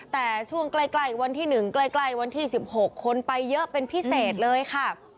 แต่ช่วงใกล้วันที่๑ใกล้วันที่๑๖คนไปเยอะเป็นพิเศษเลยค่ะ